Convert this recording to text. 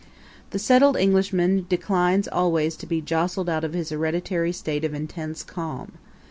The settled Englishman declines always to be jostled out of his hereditary state of intense calm.